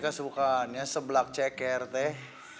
kesukaannya sebelak ceker teh